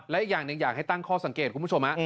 และอีกอย่างหนึ่งอยากให้ตั้งข้อสังเกตคุณผู้ชม